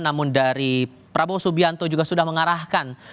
namun dari prabowo subianto juga sudah mengarahkan